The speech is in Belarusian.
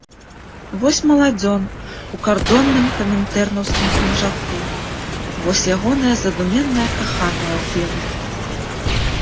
Вось маладзён у кардонным камінтэрнаўскім пінжаку, вось ягоная задуменная каханая ў белым.